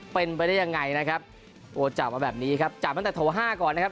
เป็นไปได้ยังไงนะครับโอ้จับมาแบบนี้ครับจับตั้งแต่โถห้าก่อนนะครับ